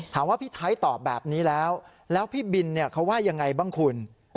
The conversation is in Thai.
พี่ไทยตอบแบบนี้แล้วแล้วพี่บินเขาว่ายังไงบ้างคุณ